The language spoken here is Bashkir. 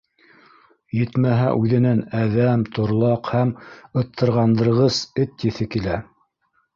Етмәһә, үҙенән әҙәм, торлаҡ һәм ытырған- дырғыс эт еҫе килә.